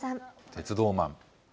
鉄道マン。